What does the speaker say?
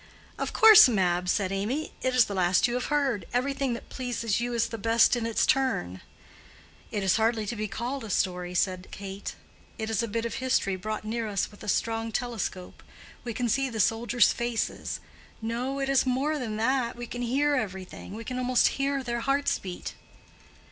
"Of course, Mab!" said Amy, "it is the last you have heard. Everything that pleases you is the best in its turn." "It is hardly to be called a story," said Kate. "It is a bit of history brought near us with a strong telescope. We can see the soldiers' faces: no, it is more than that—we can hear everything—we can almost hear their hearts beat."